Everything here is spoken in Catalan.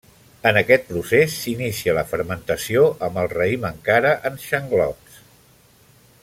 En aquest procés s'inicia la fermentació amb el raïm encara en xanglots.